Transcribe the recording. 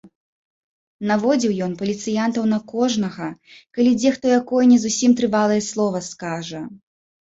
Наводзіў ён паліцыянтаў на кожнага, калі дзе хто якое не зусім трывалае слова скажа.